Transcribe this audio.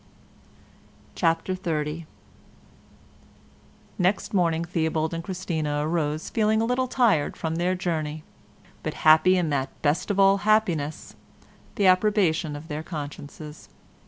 CHAPTER XXX Next morning Theobald and Christina arose feeling a little tired from their journey, but happy in that best of all happiness, the approbation of their consciences.